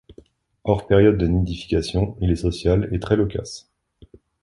Hors période de nidification, il est social et très loquace.